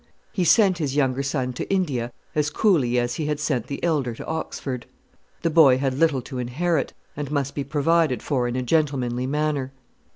He sent his younger son to India as coolly as he had sent the elder to Oxford. The boy had little to inherit, and must be provided for in a gentlemanly manner.